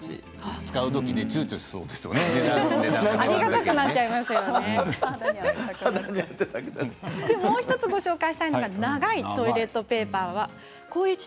使う時にちゅうちょしちゃいもう１つご紹介したいのが長いトイレットペーパーです。